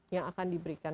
yang akan diberikan